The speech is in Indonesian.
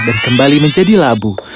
dan kembali menjadi labu